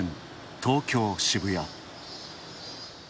東京、渋谷。